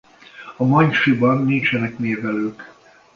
A manysiban nincsenek névelők.